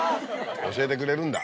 教えてくれるんだ。